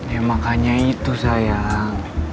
ya makanya itu sayang